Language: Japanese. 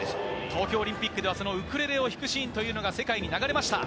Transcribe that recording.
東京オリンピックではウクレレを弾くシーンが世界に流れました。